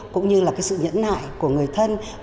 cũng như là cái sự nhẫn nại của người thân